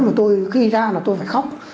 mà tôi khi ra là tôi phải khóc